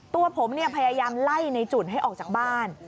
ตัวผมพยายามไล่ในจุ่นให้ออกจากบ้าน